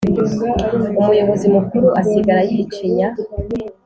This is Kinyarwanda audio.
umuyobozi mukuru asigara yicinya